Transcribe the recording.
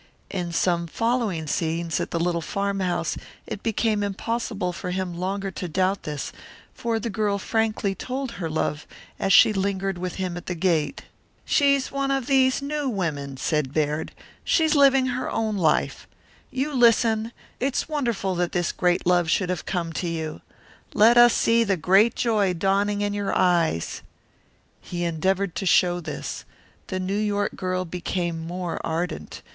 In some following scenes at the little farmhouse it became impossible for him longer to doubt this, for the girl frankly told her love as she lingered with him at the gate. "She's one of these new women," said Baird. "She's living her own life. You listen it's wonderful that this great love should have come to you. Let us see the great joy dawning in your eyes." He endeavoured to show this. The New York girl became more ardent.